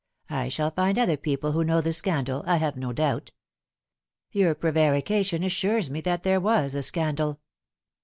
I shall find other people who know the scandal, I have no doubt. Your prevarication assures me that there was a scandal."